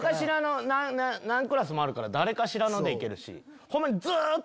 何クラスもあるから誰かしらのでいけるし。